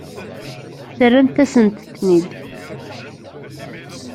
Terramt-asent-ten-id.